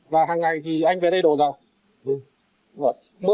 và hằng ngày thì anh về đây đổ dầu